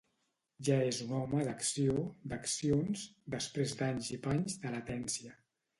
Ja és un home d'acció, d'accions, després d'anys i panys de latència.